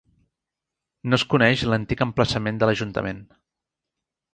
No es coneix l'antic emplaçament de l'ajuntament.